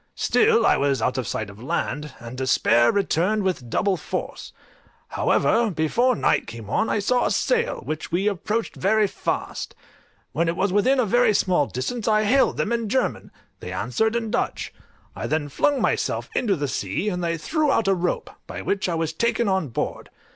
Still I was out of sight of land, and despair returned with double force; however, before night came on I saw a sail, which we approached very fast; when it was within a very small distance I hailed them in German; they answered in Dutch. I then flung myself into the sea, and they threw out a rope, by which I was taken on board.